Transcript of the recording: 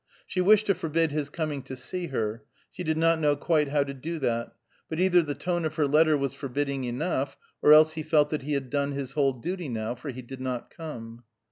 She wished to forbid his coming to see her; she did not know quite how to do that; but either the tone of her letter was forbidding enough, or else he felt that he had done his whole duty, now, for he did not come.